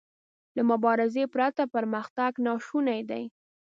له مبارزې پرته پرمختګ ناشونی دی.